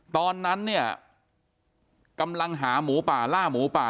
ตอนนั้นเนี่ยกำลังหาหมูป่าล่าหมูป่า